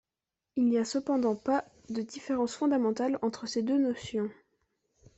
Il n'y a cependant pas de différence fondamentale entre ces deux notions.